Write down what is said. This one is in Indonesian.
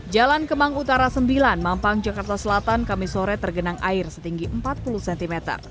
jalan kemang utara sembilan mampang jakarta selatan kami sore tergenang air setinggi empat puluh cm